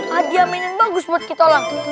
hadiah mainin bagus buat kita lah